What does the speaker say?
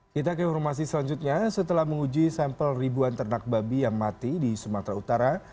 kita ke informasi selanjutnya setelah menguji sampel ribuan ternak babi yang mati di sumatera utara